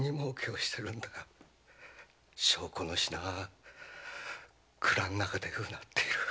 証拠の品は蔵の中で唸っている！